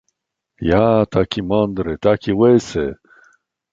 "Ja, taki mądry, taki łysy!..."